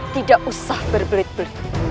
tidak usah berbelit belit